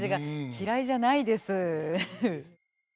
嫌いじゃないです。